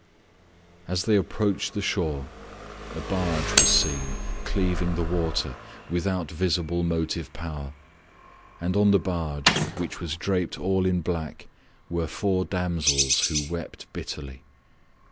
As they approached the shore a barge was seen cleaving the water without visible motive power, and on the barge which was draped all in black were four damsels who wept bitterly.